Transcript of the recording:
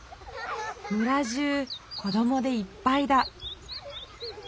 村じゅう子どもでいっぱいだ。